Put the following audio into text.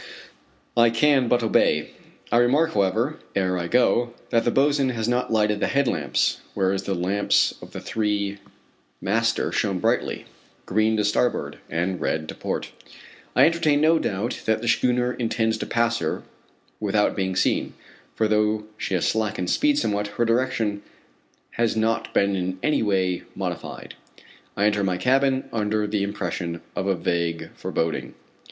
I can but obey. I remark, however, ere I go, that the boatswain has not lighted the head lamps, whereas the lamps of the three master shine brightly green to starboard, and red to port. I entertain no doubt that the schooner intends to pass her without being seen; for though she has slackened speed somewhat, her direction has not been in any way modified. I enter my cabin under the impression of a vague foreboding.